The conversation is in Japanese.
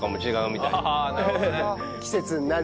なるほどね。